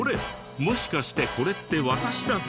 もしかしてこれって私だけ！？